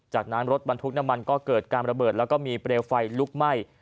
จากนั้นรถบรรทุกน้ำมันก็เกิดการระเบิดแล้วก็มีเปลวไฟลุกไหม้